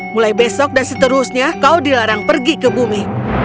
mulai besok dan seterusnya kau dilarang pergi ke bumi